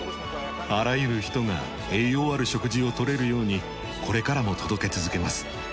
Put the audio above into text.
あらゆる人が栄養ある食事を取れるようにこれからも届け続けます。